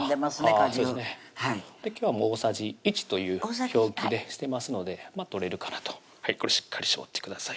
果汁今日は大さじ１という表記でしてますので取れるかなとこれしっかり搾ってください